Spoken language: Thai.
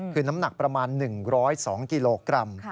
คือน้ำหนักประมาณ๑๐๒กิโลกรัม